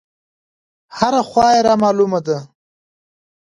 هره خوا يې رامالومه ده.